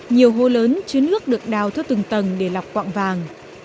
nhiều hố lớn chứa nước được đào theo từng tầng để lọc quạng vàng